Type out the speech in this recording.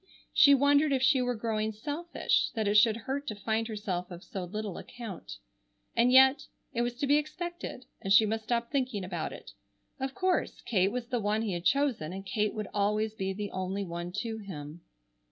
She wondered if she were growing selfish, that it should hurt to find herself of so little account. And, yet, it was to be expected, and she must stop thinking about it. Of course, Kate was the one he had chosen and Kate would always be the only one to him.